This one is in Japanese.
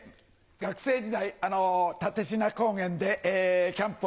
学生時代蓼科高原でキャンプを張りました。